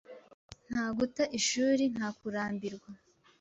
Nta guta ishuri. Nta kurambirwa.